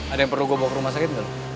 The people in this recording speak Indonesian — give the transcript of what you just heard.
ada yang perlu gue bawa ke rumah sakit nggak